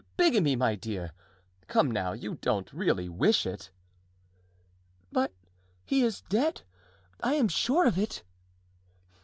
"Bigamy, my dear! Come now, you don't really wish it?" "But he is dead; I am sure of it."